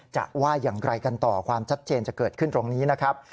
ว่าอย่างไรกันต่อความชัดเจนจะเกิดขึ้นตรงนี้นะครับ